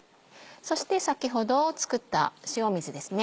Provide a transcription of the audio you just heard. そして先ほど作った塩水ですね。